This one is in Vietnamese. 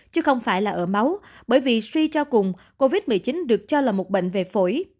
chứ không phải là ở máu bởi vì suy cho cùng covid một mươi chín được cho là một bệnh về phổi